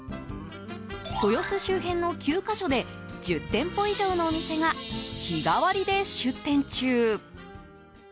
豊洲周辺の９か所で１０店舗以上のお店が日替わりで出店中。